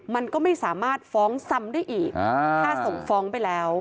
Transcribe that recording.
มันก็ไม่สามารถฟ้องซ้ำได้อีกถ้าส่งฟ้องไปแล้ว